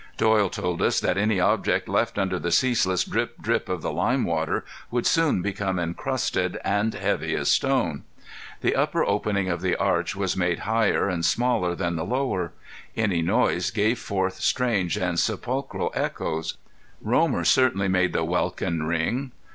Doyle told us that any object left under the ceaseless drip, drip of the lime water would soon become encrusted, and heavy as stone. The upper opening of the arch was much higher and smaller than the lower. Any noise gave forth strange and sepulchral echoes. Romer certainly made the welkin ring.